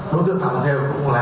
đối tượng phạm theo cũng là